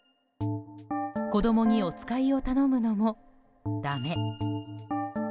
子供にお使いを頼むのも、だめ。